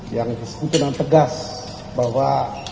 yang disimpulkan tegas bahwa